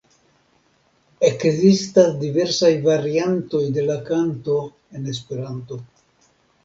Ekzistas diversaj variantoj de la kanto en Esperanto.